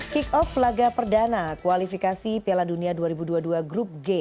kick off laga perdana kualifikasi piala dunia dua ribu dua puluh dua grup g